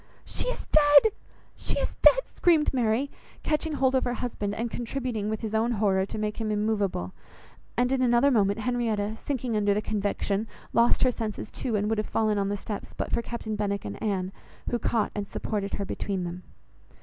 "She is dead! she is dead!" screamed Mary, catching hold of her husband, and contributing with his own horror to make him immoveable; and in another moment, Henrietta, sinking under the conviction, lost her senses too, and would have fallen on the steps, but for Captain Benwick and Anne, who caught and supported her between them.